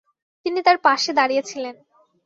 তিনি তার পাশে দাড়িয়েছিলেন।